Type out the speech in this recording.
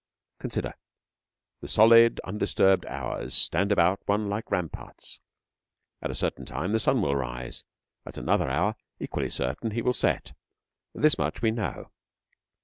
Consider! The solid undisturbed hours stand about one like ramparts. At a certain time the sun will rise. At another hour, equally certain, he will set. This much we know.